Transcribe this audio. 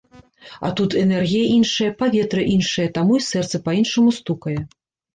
А тут энергія іншая, паветра іншае, таму і сэрца па-іншаму стукае.